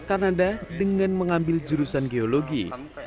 kanada dengan mengambil jurusan geologi